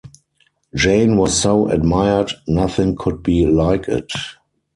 Jane was so admired, nothing could be like it.